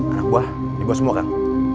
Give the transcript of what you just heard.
anak buah ini buat semua kang